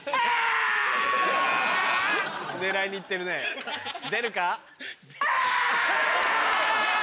狙いに行ってるね出るか？